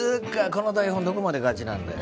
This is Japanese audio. この台本どこまでガチなんだよ？